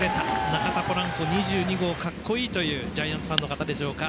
中田、ポランコ２２号格好いいというジャイアンツファンの方でしょうか